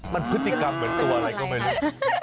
มันพฤติกรรมเหมือนตัวอะไรก็ไม่รู้